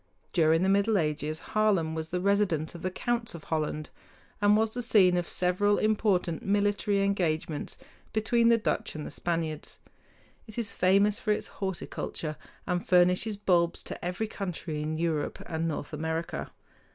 During the Middle Ages, Haarlem was the residence of the counts of Holland, and was the scene of several important military engagements between the Dutch and the Spaniards. It is famous for its horticulture, and furnishes bulbs to every country in Europe and North America.